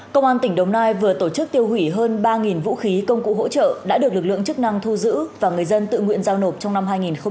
công an tỉnh đồng nai vừa tổ chức tiêu hủy hơn ba vũ khí công cụ hỗ trợ đã được lực lượng chức năng thu giữ và người dân tự nguyện giao nộp trong năm hai nghìn hai mươi